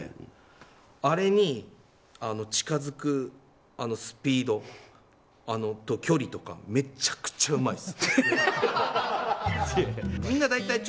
あれに近づくスピードや距離とかめちゃくちゃうまいです。